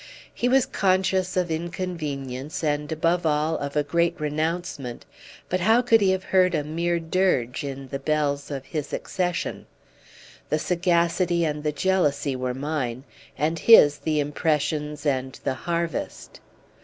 He was conscious of inconvenience, and above all of a great renouncement; but how could he have heard a mere dirge in the bells of his accession? The sagacity and the jealousy were mine, and his the impressions and the harvest.